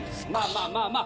まあまあま